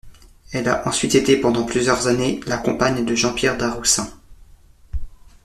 Elle a ensuite été pendant plusieurs années la compagne de Jean-Pierre Darroussin.